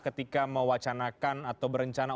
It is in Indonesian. ketika mewacanakan atau berencana